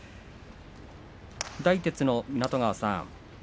大徹の湊川さん